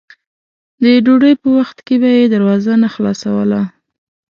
د ډوډۍ په وخت کې به یې دروازه نه خلاصوله.